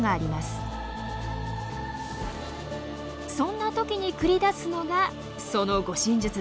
そんな時に繰り出すのがその護身術です。